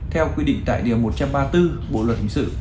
theo quy định tại điều một trăm ba mươi bốn bộ luật hình sự